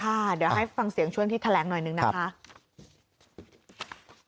เดี๋ยวให้ฟังเสียงช่วงที่แถลงหน่อยหนึ่งนะคะ